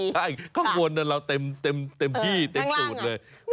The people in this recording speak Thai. ใช่ข้างบนเราเต็มที่เต็มสูตรเลย